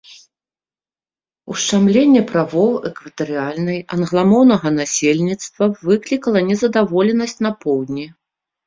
Ушчамленне правоў экватарыяльнай англамоўнага насельніцтва выклікала незадаволенасць на поўдні.